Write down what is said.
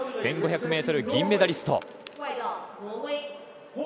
１５００ｍ銀メダリスト。